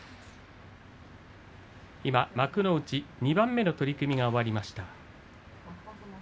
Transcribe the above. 今、幕内２番目の取組が終わりました。